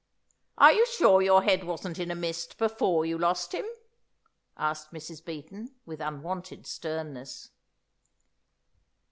"Are you sure that your head wasn't in a mist before you lost him?" asked Mrs. Beaton, with unwonted sternness.